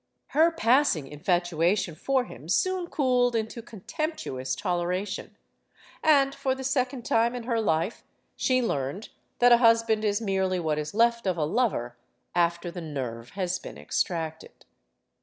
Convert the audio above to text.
Her passing infatuation for him soon cooled into con temptuous toleration. And for the second time in her life she learned that a husband is merely what is left of a lover after the nerve has been extracted.